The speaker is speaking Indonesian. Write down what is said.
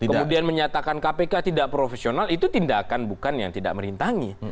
kemudian menyatakan kpk tidak profesional itu tindakan bukan yang tidak merintangi